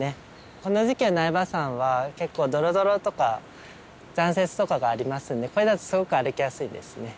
この時期の苗場山は結構ドロドロとか残雪とかがありますんでこれだとすごく歩きやすいですね。